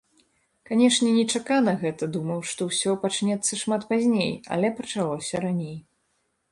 Канешне, нечакана гэта, думаў, што усё пачнецца нашмат пазней, але пачалося раней.